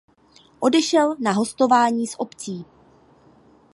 Odešel na hostování s opcí.